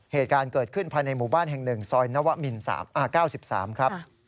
เหตุการณ์เกิดขึ้นภายในหมู่บ้านแห่ง๑ซอยนวมิน๙๓ครับ